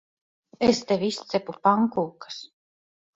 Es tev izcepu pankūkas.